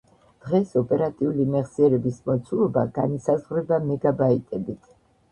დღეს ოპერატიული მეხსიერების მოცულობა განისაზღვრება მეგა ბაიტებით